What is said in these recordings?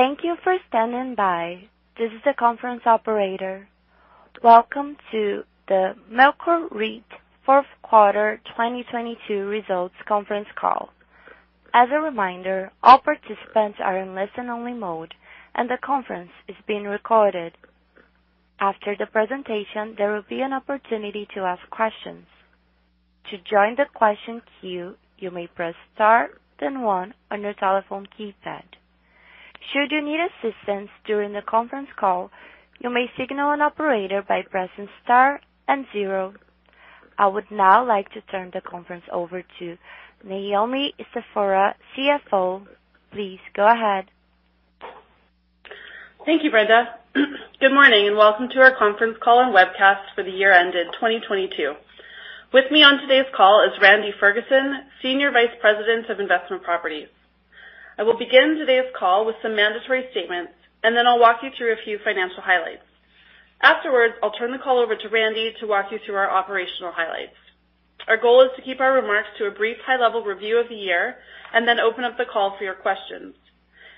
Thank you for standing by. This is the conference operator. Welcome to the Melcor REIT fourth quarter 2022 results conference call. As a reminder, all participants are in listen-only mode, and the conference is being recorded. After the presentation, there will be an opportunity to ask questions. To join the question queue, you may press star then one on your telephone keypad. Should you need assistance during the conference call, you may signal an operator by pressing star and zero. I would now like to turn the conference over to Naomi Stefura, CFO. Please go ahead. Thank you, Brenda. Good morning, welcome to our conference call and webcast for the year ended 2022. With me on today's call is Randy Ferguson, Senior Vice President of Investment Properties. I will begin today's call with some mandatory statements, then I'll walk you through a few financial highlights. Afterwards, I'll turn the call over to Randy to walk you through our operational highlights. Our goal is to keep our remarks to a brief high-level review of the year then open up the call for your questions.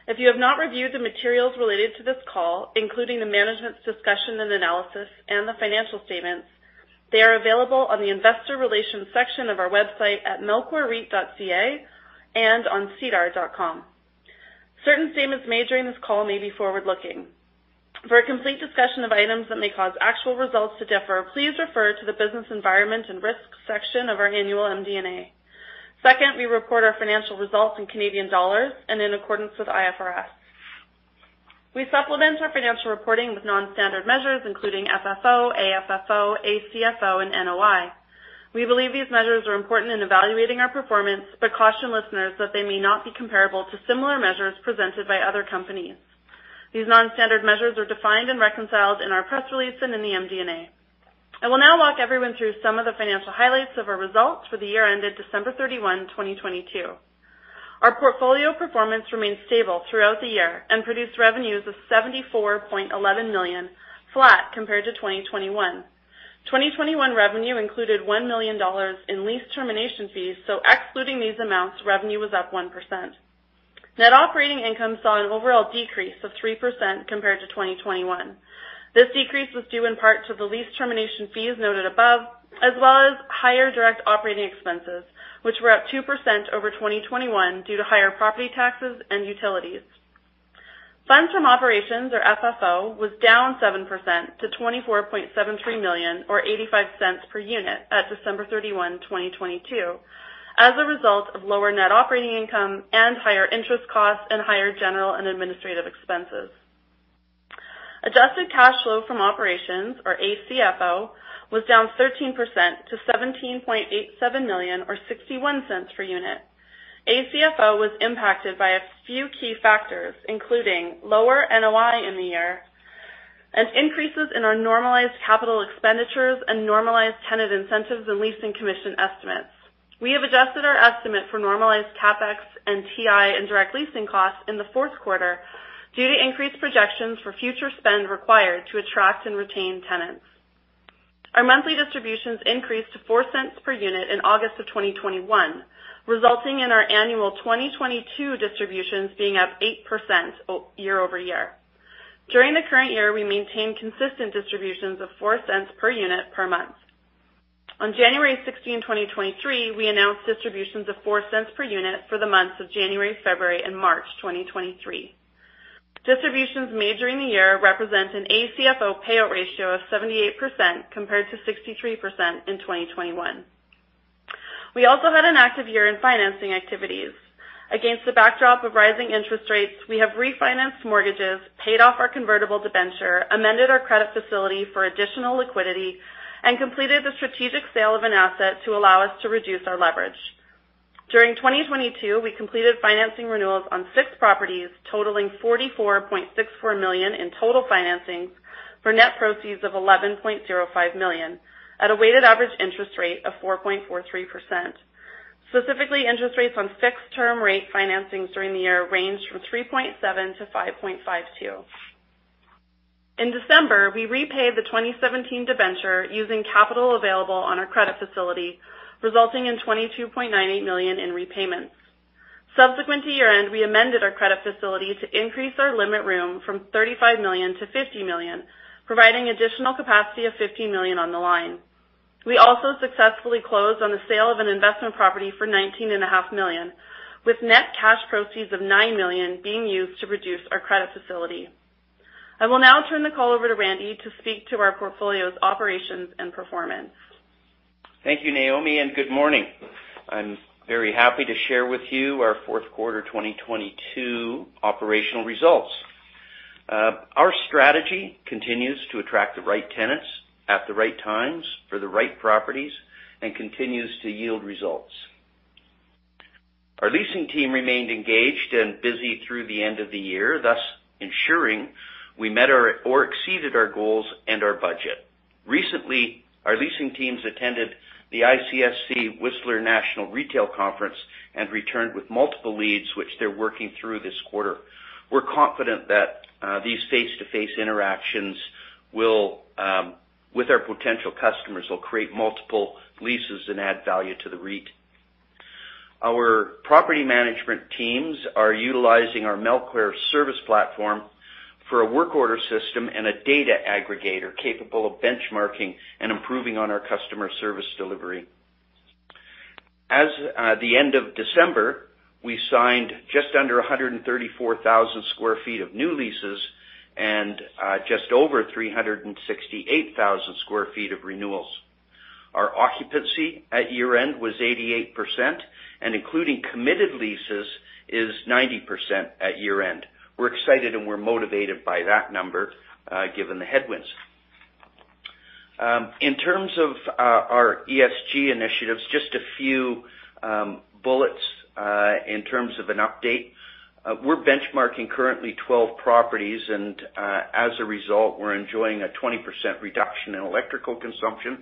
If you have not reviewed the materials related to this call, including the management's discussion and analysis and the financial statements, they are available on the investor relations section of our website at melcorreit.ca and on sedar.com. Certain statements made during this call may be forward-looking. For a complete discussion of items that may cause actual results to differ, please refer to the Business Environment and Risk section of our annual MD&A. Second, we report our financial results in Canadian dollars and in accordance with IFRS. We supplement our financial reporting with non-standard measures, including FFO, AFFO, ACFO, and NOI. We believe these measures are important in evaluating our performance, but caution listeners that they may not be comparable to similar measures presented by other companies. These non-standard measures are defined and reconciled in our press release and in the MD&A. I will now walk everyone through some of the financial highlights of our results for the year ended December 31, 2022. Our portfolio performance remained stable throughout the year and produced revenues of 74.11 million, flat compared to 2021. 2021 revenue included 1 million dollars in lease termination fees. Excluding these amounts, revenue was up 1%. Net operating income saw an overall decrease of 3% compared to 2021. This decrease was due in part to the lease termination fees noted above, as well as higher direct operating expenses, which were up 2% over 2021 due to higher property taxes and utilities. Funds from operations, or FFO, was down 7% to 24.73 million or 0.85 per unit at December 31, 2022, as a result of lower net operating income and higher interest costs and higher general and administrative expenses. Adjusted cash flow from operations, or ACFO, was down 13% to 17.87 million or 0.61 per unit. ACFO was impacted by a few key factors, including lower NOI in the year and increases in our normalized capital expenditures and normalized tenant incentives and leasing commission estimates. We have adjusted our estimate for normalized CapEx and TI and direct leasing costs in the fourth quarter due to increased projections for future spend required to attract and retain tenants. Our monthly distributions increased to 0.04 per unit in August of 2021, resulting in our annual 2022 distributions being up 8% year over year. During the current year, we maintained consistent distributions of 0.04 per unit per month. On January 16, 2023, we announced distributions of 0.04 per unit for the months of January, February, and March 2023. Distributions made during the year represent an ACFO payout ratio of 78% compared to 63% in 2021. We also had an active year in financing activities. Against the backdrop of rising interest rates, we have refinanced mortgages, paid off our convertible debenture, amended our credit facility for additional liquidity, and completed the strategic sale of an asset to allow us to reduce our leverage. During 2022, we completed financing renewals on six properties, totaling 44.64 million in total financings for net proceeds of 11.05 million at a weighted average interest rate of 4.43%. Specifically, interest rates on fixed-term rate financings during the year ranged from 3.7%-5.52%. In December, we repaid the 2017 debenture using capital available on our credit facility, resulting in 22.98 million in repayments. Subsequent to year-end, we amended our credit facility to increase our limit room from 35 million to 50 million, providing additional capacity of 50 million on the line. We successfully closed on the sale of an investment property for 19,500,000, with net cash proceeds of 9 million being used to reduce our credit facility. I will now turn the call over to Randy to speak to our portfolio's operations and performance. Thank you, Naomi, and good morning. I'm very happy to share with you our fourth quarter 2022 operational results. Our strategy continues to attract the right tenants at the right times for the right properties and continues to yield results. Our leasing team remained engaged and busy through the end of the year, thus ensuring we met our or exceeded our goals and our budget. Recently, our leasing teams attended the ICSC Whistler National Retail Conference and returned with multiple leads, which they're working through this quarter. We're confident that these face-to-face interactions will con- With our potential customers, we'll create multiple leases and add value to the REIT. Our property management teams are utilizing our MelCARE service platform for a work order system and a data aggregator capable of benchmarking and improving on our customer service delivery. As the end of December, we signed just under 134,000 sq ft of new leases and just over 368,000 sq ft of renewals. Our occupancy at year-end was 88%, and including committed leases is 90% at year-end. We're excited and we're motivated by that number given the headwinds. In terms of our ESG initiatives, just a few bullets in terms of an update. We're benchmarking currently 12 properties and, as a result, we're enjoying a 20% reduction in electrical consumption,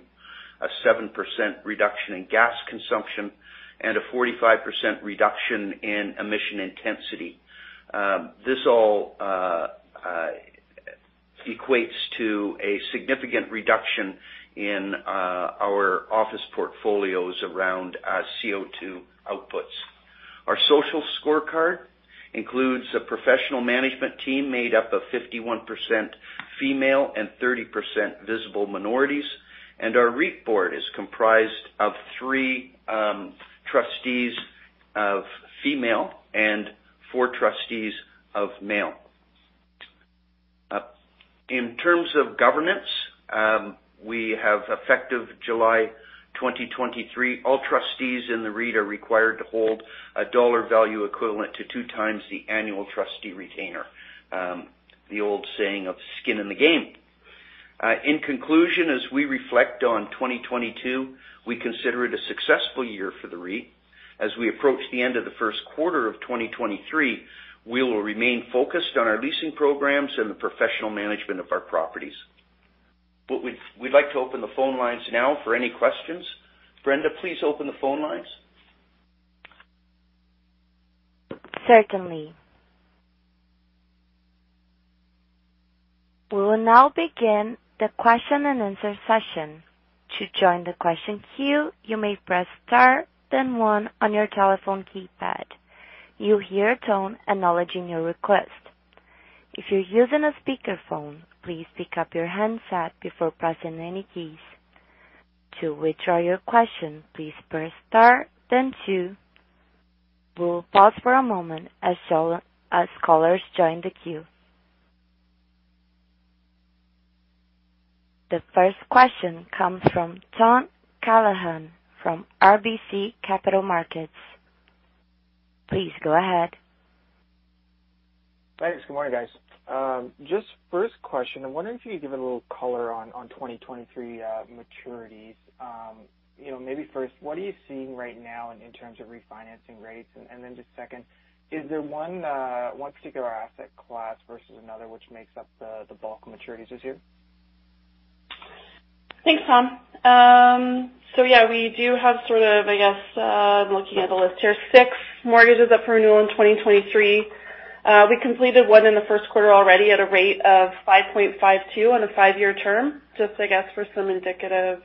a 7% reduction in gas consumption, and a 45% reduction in emission intensity. This all equates to a significant reduction in our office portfolios around our CO2 outputs. Our social scorecard includes a professional management team made up of 51% female and 30% visible minorities, and our REIT board is comprised of three trustees of female and four trustees of male. In terms of governance, we have effective July 2023, all trustees in the REIT are required to hold a dollar value equivalent to 2x the annual trustee retainer. The old saying of skin in the game. In conclusion, as we reflect on 2022, we consider it a successful year for the REIT. As we approach the end of the first quarter of 2023, we will remain focused on our leasing programs and the professional management of our properties. We'd like to open the phone lines now for any questions. Brenda, please open the phone lines. Certainly. We will now begin the question-and-answer session. To join the question queue, you may press star, then one on your telephone keypad. You'll hear a tone acknowledging your request. If you're using a speakerphone, please pick up your handset before pressing any keys. To withdraw your question, please press star then two. We'll pause for a moment as callers join the queue. The first question comes from Tom Callaghan from RBC Capital Markets. Please go ahead. Thanks. Good morning, guys. Just first question, I wonder if you could give a little color on 2023 maturities. You know, maybe first, what are you seeing right now in terms of refinancing rates? Then just second, is there one particular asset class versus another which makes up the bulk of maturities this year? Thanks, Tom. Yeah, we do have sort of, I guess, I'm looking at the list here, six mortgages up for renewal in 2023. We completed one in the first quarter already at a rate of 5.52 on a five-year term, just I guess for some indicative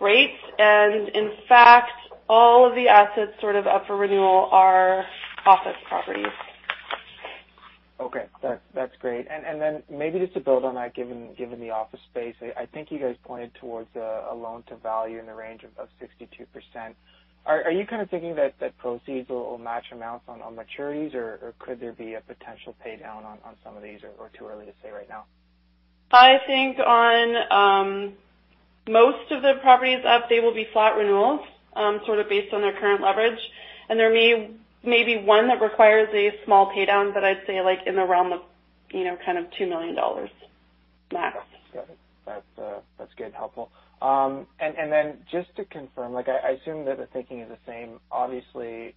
rates. In fact, all of the assets sort of up for renewal are office properties. Okay. That's great. Then maybe just to build on that, given the office space, I think you guys pointed towards a loan-to-value in the range of 62%. Are you kind of thinking that proceeds will match amounts on maturities or could there be a potential pay down on some of these or too early to say right now? I think on, most of the properties up, they will be flat renewals, sort of based on their current leverage. There may be one that requires a small pay down, but I'd say like in the realm of, you know, kind of 2 million dollars max. Got it. That's good, helpful. Just to confirm, like I assume that the thinking is the same. Obviously,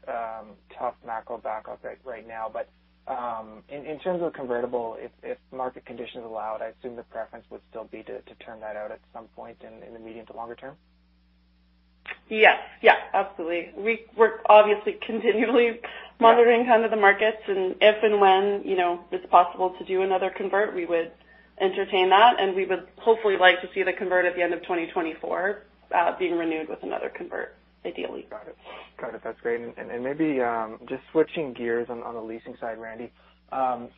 tough macro backup right now. In terms of convertible, if market conditions allow it, I assume the preference would still be to turn that out at some point in the medium to longer term. Yes. Yeah, absolutely. We're obviously continually monitoring kind of the markets and if and when, you know, it's possible to do another convert, we would entertain that. We would hopefully like to see the convert at the end of 2024 being renewed with another convert, ideally. Got it. Got it. That's great. Maybe just switching gears on the leasing side, Randy.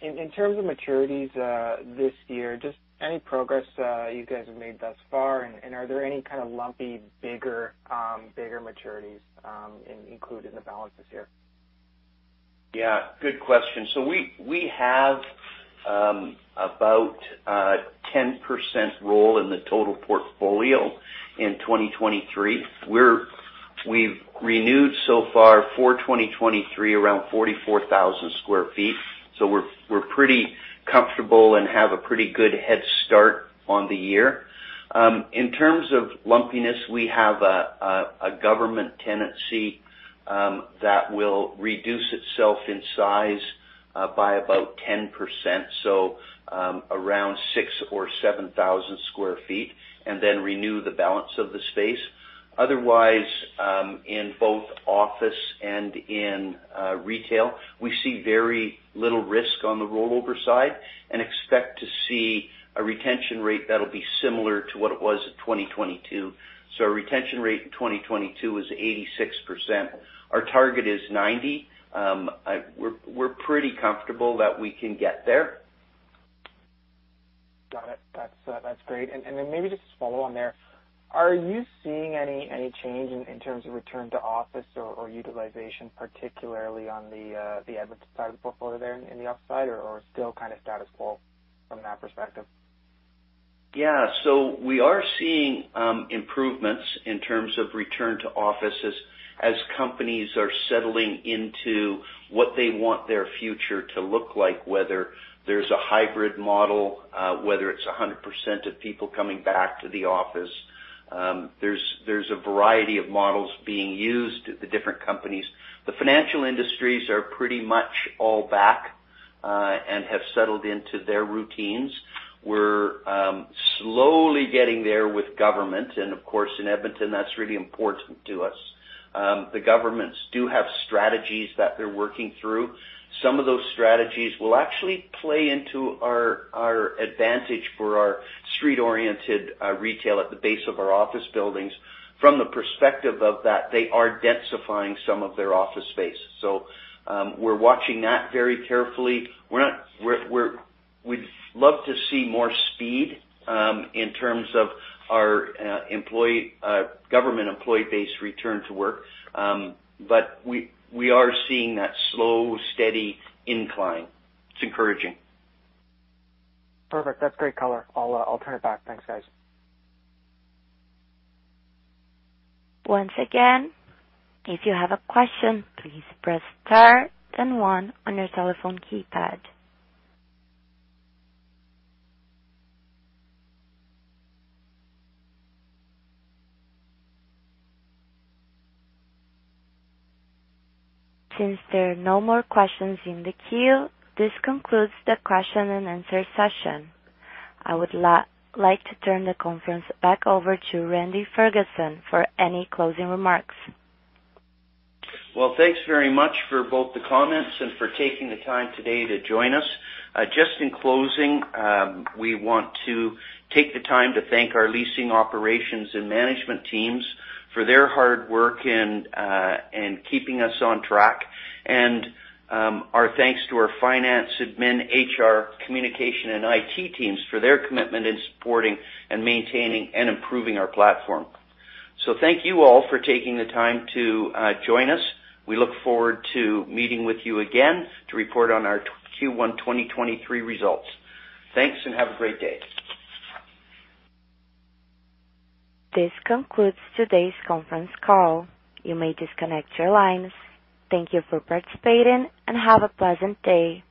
In terms of maturities this year, just any progress you guys have made thus far? Are there any kind of lumpy bigger maturities included in the balance this year? Yeah, good question. we have about 10% roll in the total portfolio in 2023. We've renewed so far for 2023 around 44,000 sq ft. we're pretty comfortable and have a pretty good head start on the year. In terms of lumpiness, we have a government tenancy that will reduce itself in size by about 10%, around 6,000 or 7,000 sq ft, and then renew the balance of the space. Otherwise, in both office and in retail, we see very little risk on the rollover side and expect to see a retention rate that'll be similar to what it was at 2022. Our retention rate in 2022 is 86%. Our target is 90. We're pretty comfortable that we can get there. Got it. That's great. Then maybe just a follow on there. Are you seeing any change in terms of return to office or utilization, particularly on the Edmonton side of the portfolio there in the upside or still kind of status quo from that perspective? Yeah. We are seeing improvements in terms of return to office as companies are settling into what they want their future to look like, whether there's a hybrid model, whether it's 100% of people coming back to the office. There's a variety of models being used at the different companies. The financial industries are pretty much all back and have settled into their routines. We're slowly getting there with government and of course in Edmonton, that's really important to us. The governments do have strategies that they're working through. Some of those strategies will actually play into our advantage for our street-oriented retail at the base of our office buildings. From the perspective of that, they are densifying some of their office space. We're watching that very carefully. We'd love to see more speed in terms of our government employee base return to work. We are seeing that slow, steady incline. It's encouraging. Perfect. That's great color. I'll turn it back. Thanks, guys. Once again, if you have a question, please press star then one on your telephone keypad. Since there are no more questions in the queue, this concludes the question-and-answer session. I would like to turn the conference back over to Randy Ferguson for any closing remarks. Well, thanks very much for both the comments and for taking the time today to join us. Just in closing, we want to take the time to thank our leasing operations and management teams for their hard work and keeping us on track. Our thanks to our finance, admin, HR, communication, and IT teams for their commitment in supporting and maintaining and improving our platform. Thank you all for taking the time to join us. We look forward to meeting with you again to report on our Q1 2023 results. Thanks, and have a great day. This concludes today's conference call. You may disconnect your lines. Thank you for participating and have a pleasant day.